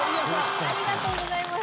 ありがとうございます！